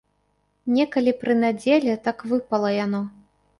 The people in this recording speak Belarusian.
Некалі пры надзеле так выпала яно.